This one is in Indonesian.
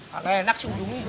gak enak sih ujungnya